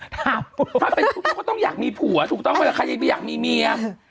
ถ้าเป็นทุกข์ก็ต้องอยากมีผัวถูกต้องไหมล่ะใครอยากมีเมีย